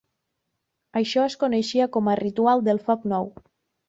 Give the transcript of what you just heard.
Això es coneixia com a Ritual del Foc nou.